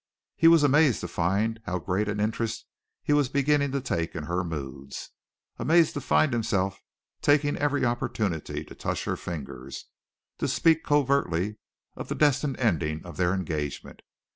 He was amazed to find how great an interest he was beginning to take in her moods, amazed to find himself taking every opportunity to touch her fingers, to speak covertly of the destined ending of their engagement.